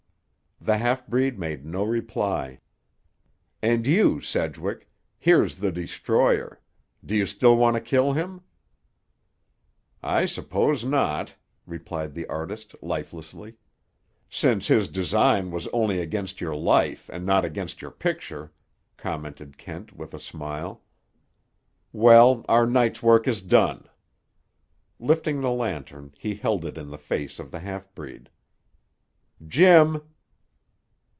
The half breed made no reply. "And you, Sedgwick. Here's the destroyer. Do you still want to kill him?" "I suppose not," replied the artist lifelessly. "Since his design was only against your life and not against your picture," commented Kent with a smile. "Well, our night's work is done." Lifting the lantern, he held it in the face of the half breed. "Jim!"